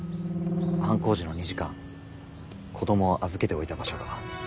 犯行時の２時間子供を預けておいた場所が。